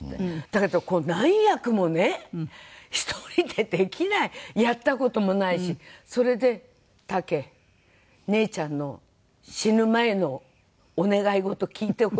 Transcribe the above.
だけどこう何役もね１人でできないやった事もないし。それで「タケ姉ちゃんの死ぬ前のお願い事聞いてほしい」っつって。